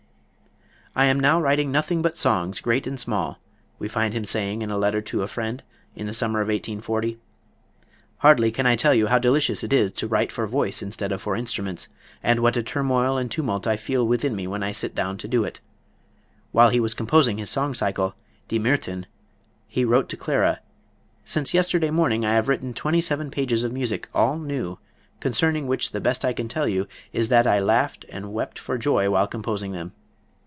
"I am now writing nothing but songs, great and small," we find him saying in a letter to a friend in the summer of 1840. "Hardly can I tell you how delicious it is to write for voice instead of for instruments, and what a turmoil and tumult I feel within me when I sit down to it." While he was composing his song cycle, "Die Myrthen," he wrote to Clara: "Since yesterday morning I have written twenty seven pages of music, all new, concerning which the best I can tell you is that I laughed and wept for joy while composing them."